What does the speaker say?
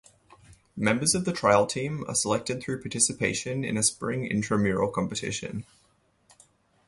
Members of the trial team are selected through participation in a spring intramural competition.